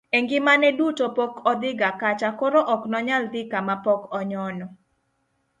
e ngimane duto pok odhi ga kacha koro ok nonyal dhi kama pok onyono